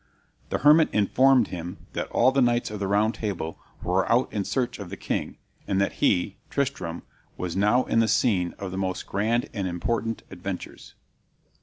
The hermit informed him that all the knights of the Round Table were out in search of the king, and that he (Tristram) was now in the scene of the most grand and important adventures.